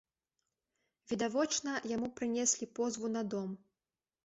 Відавочна, яму прынеслі позву на дом.